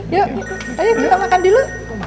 yuk ayo kita makan dulu